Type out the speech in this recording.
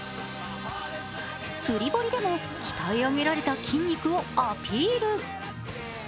釣堀でも鍛え上げられた筋肉をアピール。